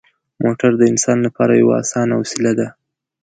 موټر د انسان لپاره یوه اسانه وسیله ده.